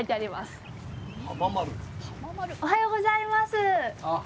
あおはようございます。